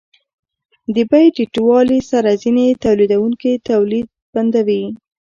د بیې ټیټوالي سره ځینې تولیدونکي تولید بندوي